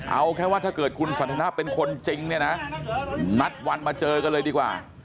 เอาแค่ว่าถ้าเกิดคุณสันทนาเป็นคนจริงเนี่ยนะนัดวันมาเจอกันเลยดีกว่า